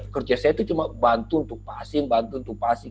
kerja saya itu cuma bantu untuk passing bantu untuk pasing